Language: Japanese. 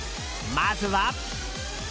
まずは。